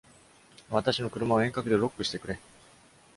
私の車を遠隔でロックしてくれ。